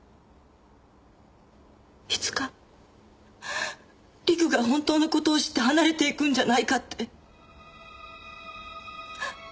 いつか陸が本当の事を知って離れていくんじゃないかって。